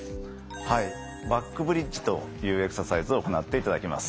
はいバックブリッジというエクササイズを行っていただきます。